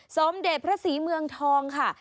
สมเด็จพระศรีเมืองทองค่ะ